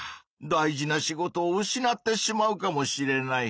大事な仕事を失ってしまうかもしれない。